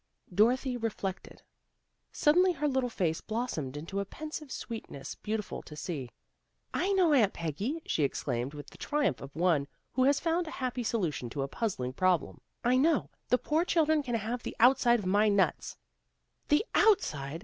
" Dorothy reflected. Suddenly her little face blossomed into a pensive sweetness beautiful to see. n I know, Aunt Peggy," she exclaimed, with the triumph of one who has found a happy solution to a puzzling problem. " I know. The poor children can have the outside of my nuts." "The outside!